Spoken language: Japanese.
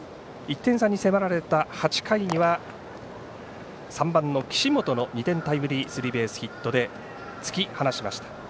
１点差に迫られた８回には、３番の岸本の２点タイムリースリーベースヒットで突き放しました。